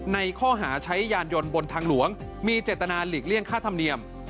ในข้อหาใช้ยานยนต์บนทางหลวงมีเจตนาหลีกเลี่ยงค่าธรรมเนียม